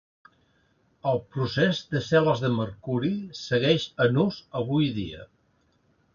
El procés de cel·les de mercuri segueix en ús avui dia.